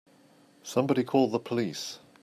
Somebody call the police!